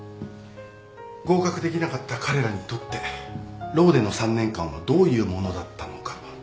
合格できなかった彼らにとってローでの３年間はどういうものだったのか。